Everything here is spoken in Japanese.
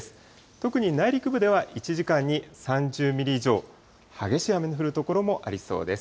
特に内陸部では１時間に３０ミリ以上、激しい雨の降る所もありそうです。